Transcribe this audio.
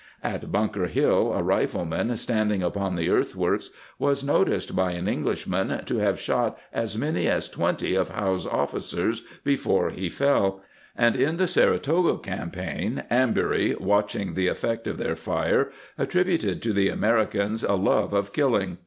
"^ At Bunker Hill a rifleman, stand ing upon the earthworks, was noticed by an Englishman to have shot as many as twenty of Howe's officers before he fell,'* and in the Sara toga campaign, Anburey, watching the effect of their fire, attributed to the Americans a love of killing.